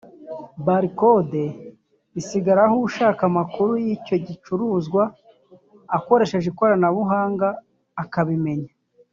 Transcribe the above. barcode isigaraho ushaka amakuru y’icyo gicuruzwa akoresheje ikoranabuhanga akabimenya